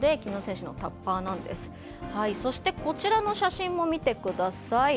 こちらの写真も見てください。